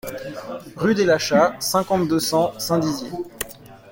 Rue des Lachats, cinquante-deux, cent Saint-Dizier